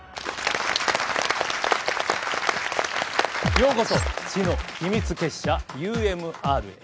ようこそ知の秘密結社ＵＭＲへ。